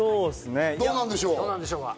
どうなんでしょうか？